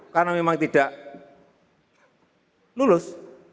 karena memang tidak lulus